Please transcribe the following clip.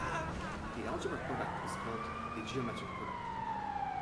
The algebra product is called the "geometric product".